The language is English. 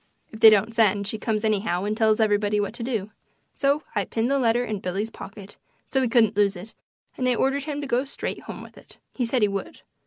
If they don't send she comes anyhow and tells everybody what to do. So I pinned the letter in Billy's pocket, so he couldn't lose it, and I ordered him to go straight home with it. He said he would.